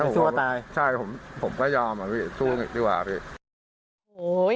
ไม่สู้ว่าตายใช่ผมก็ยอมสู้ดีกว่าพี่